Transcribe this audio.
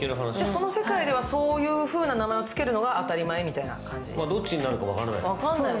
その世界ではそういうふうな名前をつけるのが当たり前という世界？